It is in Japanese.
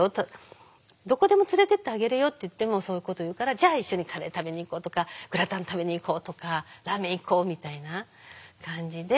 どこでも連れてってあげるよ」って言ってもそういうこと言うから「じゃあ一緒にカレー食べに行こう」とか「グラタン食べに行こう」とか「ラーメン行こう」みたいな感じで。